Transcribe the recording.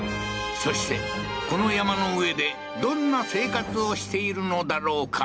そしてこの山の上でどんな生活をしているのだろうか？